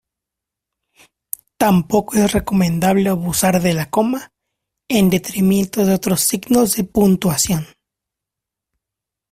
Tampoco es recomendable abusar de la coma en detrimento de otros signos de puntuación.